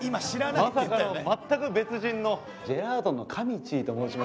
まさかの全く別人のジェラードンのかみちぃと申します